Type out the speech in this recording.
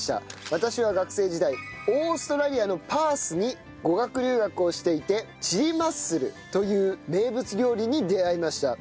私は学生時代オーストラリアのパースに語学留学をしていてチリマッスルという名物料理に出会いました。